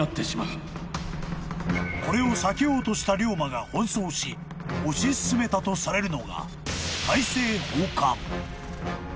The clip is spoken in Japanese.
［これを避けようとした龍馬が奔走し推し進めたとされるのが大政奉還］